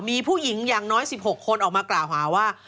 มีผู้หญิงอย่างน้อย๑๖คนออกมากล่าวหาว่า